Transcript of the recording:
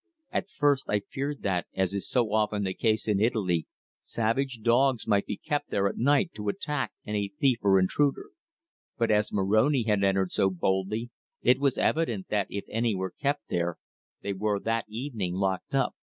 At first I feared that, as is so often the case in Italy, savage dogs might be kept there at night to attack any thief or intruder. But as Moroni had entered so boldly, it was evident that if any were kept there they were that evening locked up.